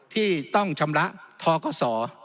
ที่ต้องชำระท้อกส่อ